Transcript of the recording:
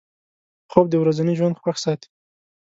خوب د ورځني ژوند خوښ ساتي